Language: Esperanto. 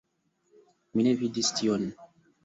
Mi ne vidis tion.